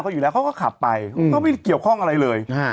เขาอยู่แล้วเขาก็ขับไปเขาก็ไม่ได้เกี่ยวข้องอะไรเลย